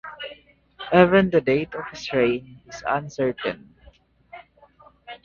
Even the date of his reign is uncertain.